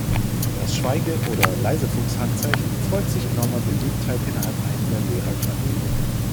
Das Schweige- oder Leisefuchs-Handzeichen freut sich enormer Beliebtheit innerhalb einiger Lehrer-Kreise.